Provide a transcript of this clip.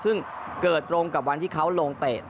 ซึ่งเกิดตรงกับวันที่เขาลงเตะ